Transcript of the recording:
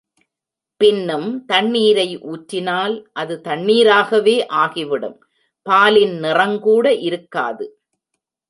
பின்னும் தண்ணீரை ஊற்றினால் அது தண்ணிராகவே ஆகிவிடும் பாலின் நிறங்கூட இருக்காது.